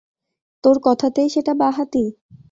তোর কথাতেই সেটা বাঁ-হাতি?